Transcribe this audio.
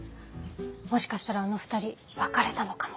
もしかしたらあの２人別れたのかも。